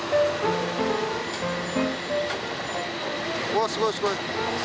わすごいすごい。